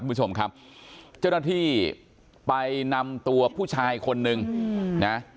คุณผู้ชมครับเจ้าหน้าที่ไปนำตัวผู้ชายคนนึงนะ